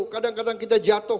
kadang kadang kita jatuh